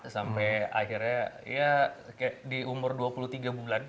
sampai akhirnya ya kayak di umur dua puluh tiga bulan